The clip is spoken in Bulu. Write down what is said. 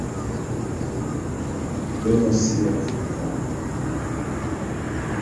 Be ne si ya Africa mu.